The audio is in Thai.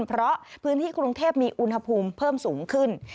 เพราะพื้นที่กรุงเทพมีอุณหภูมิเพิ่มสูงขึ้น